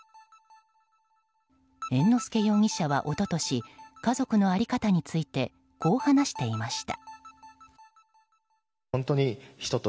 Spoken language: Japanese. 猿之助容疑者は一昨年家族の在り方についてこう話していました。